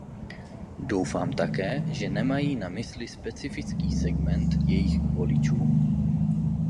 Doufám také, že nemají na mysli specifický segment svých voličů.